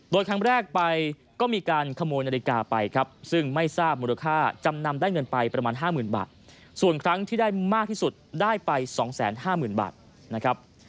โดยครั้งแรกไปก็มีการขโมยนาฬิกาไปครับซึ่งไม่ทราบมูลค่าจำนำได้เงินไปประมาณ๕๐๐๐บาทส่วนครั้งที่ได้มากที่สุดได้ไป๒๕๐๐๐บาทนะครับ